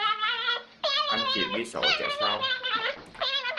Ăn chịu ghi sổ trả sau